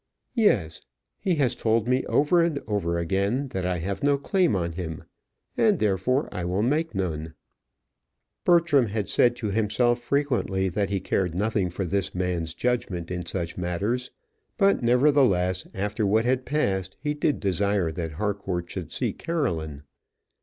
"Yes. He has told me over and over again that I have no claim on him; and, therefore, I will make none." Bertram had said to himself frequently that he cared nothing for this man's judgment in such matters; but, nevertheless, after what had passed, he did desire that Harcourt should see Caroline.